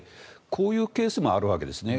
こういうケースもあるわけですね。